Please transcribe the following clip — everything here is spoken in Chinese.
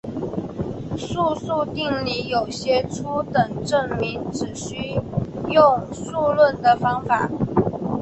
素数定理有些初等证明只需用数论的方法。